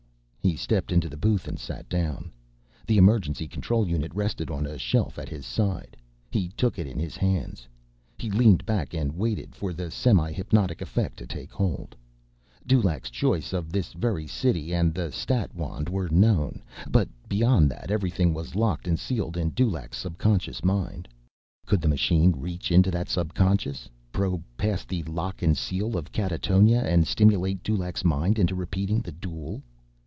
He stepped into the booth and sat down. The emergency control unit rested on a shelf at his side; he took it in his hands. He leaned back and waited for the semihypnotic effect to take hold. Dulaq's choice of this very city and the stat wand were known. But beyond that, everything was locked and sealed in Dulaq's subconscious mind. Could the machine reach into that subconscious, probe past the lock and seal of catatonia, and stimulate Dulaq's mind into repeating the duel?